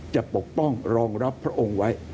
ปกป้องรองรับพระองค์ไว้